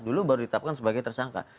dulu baru ditetapkan sebagai tersangka